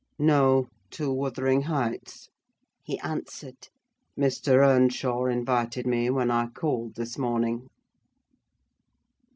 "No, to Wuthering Heights," he answered: "Mr. Earnshaw invited me, when I called this morning."